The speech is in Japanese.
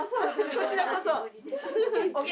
こちらこそ。